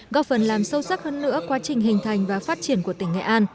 góp phần làm sâu sắc hơn nữa quá trình hình thành và phát triển của tỉnh nghệ an